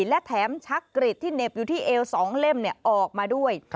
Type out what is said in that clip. และแถมชักกริดที่เหน็บอยู่ที่เอว๒เล่มออกมาด้วย